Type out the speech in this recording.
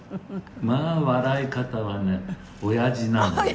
「まあ笑い方はねおやじなのよ」